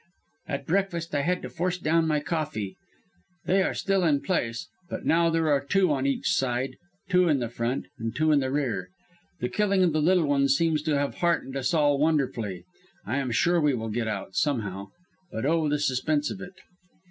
At breakfast I had to force down my coffee. They are still in place, but now there are two on each side, two in the front, two in the rear. The killing of the Little One seems to have heartened us all wonderfully. I am sure we will get out somehow. But oh! the suspense of it.